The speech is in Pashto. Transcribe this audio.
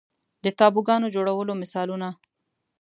د تابوګانو جوړولو مثالونه